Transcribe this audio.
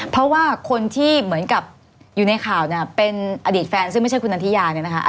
เพราะว่าคนที่เหมือนกับอยู่ในข่าวเนี่ยเป็นอดีตแฟนซึ่งไม่ใช่คุณนันทิยาเนี่ยนะคะ